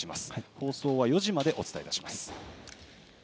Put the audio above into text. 放送は４時までお伝えいたします。